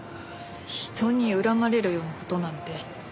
人に恨まれるような事なんて。